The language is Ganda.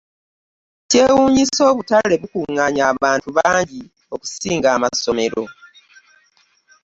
Ekyewuunyisa obutale bukungaanya abantu bangi okusinga amasomero